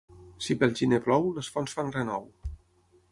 Si pel gener plou, les fonts fan renou.